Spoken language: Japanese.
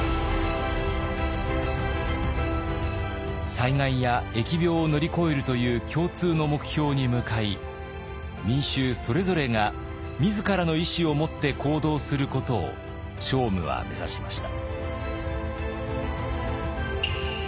災害や疫病を乗り越えるという共通の目標に向かい民衆それぞれが自らの意思を持って行動することを聖武は目指しました。